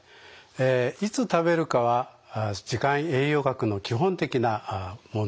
えいつ食べるかは時間栄養学の基本的な問題点ですね。